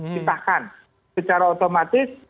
ditahkan secara otomatis